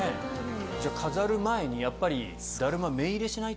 じゃ飾る前にやっぱりだるま。